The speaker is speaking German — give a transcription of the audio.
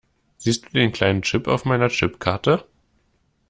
Siehst du den kleinen Chip auf meiner Chipkarte?